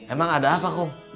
emang ada apa kum